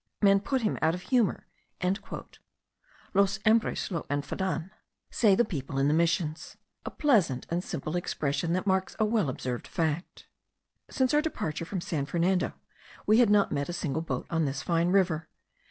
"Men put him out of humour" (los hombres lo enfadan), say the people in the Missions. A pleasant and simple expression, that marks a well observed fact. Since our departure from San Fernando we had not met a single boat on this fine river.